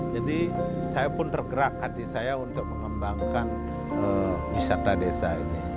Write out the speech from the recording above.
jadi saya pun tergerak hati saya untuk mengembangkan wisata desa ini